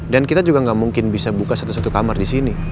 dan kita juga nggak mungkin bisa buka satu satu kamar di sini